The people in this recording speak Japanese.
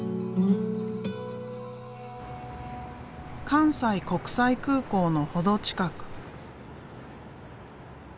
関西国際空港の程近く。